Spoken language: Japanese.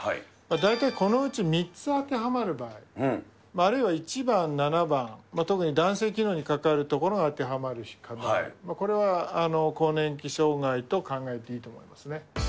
大体このうち３つ当てはまる場合、あるいは１番、７番、特に男性機能に関わるところが当てはまる方、これは更年期障害と考えていいと思うんですね。